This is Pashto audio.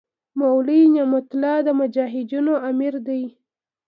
مولوي نعمت الله د مجاهدینو امیر دی.